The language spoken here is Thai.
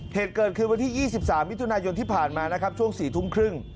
เหตุเกิดคือวันที่๒๓วิธุนายนที่ผ่านมานะครับช่วง๔๓๐น